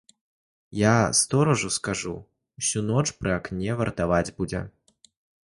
Я сторажу скажу, усю ноч пры акне вартаваць будзе.